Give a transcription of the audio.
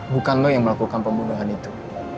bukan lo yang melakukan pembunuhan itu